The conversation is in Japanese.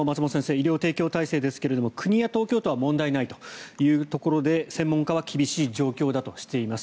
医療提供体制ですが国や東京都は問題ないというところで専門家は厳しい状況だとしています。